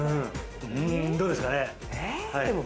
どうですかね？